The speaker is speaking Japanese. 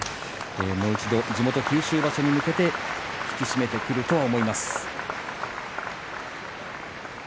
もう一度、地元九州場所へ向けて引き締めてくるとは思います。